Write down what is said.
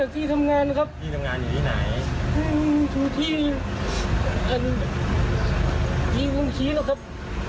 ต้องอยู่แล้วด้วยนะครับ